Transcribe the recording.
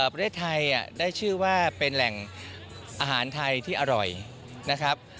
ประเทศไทยได้ชื่อว่าเป็นแหล่งอาหารไทยที่อร่อยนะครับ